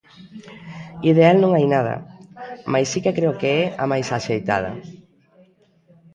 Ideal non hai nada, mais si que creo que é a máis axeitada.